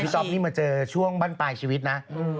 ซ่อมนี่มาเจอช่วงบ้านปลายชีวิตนะ